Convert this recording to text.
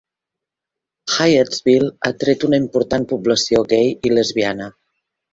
Hyattsville ha atret una important població gai i lesbiana.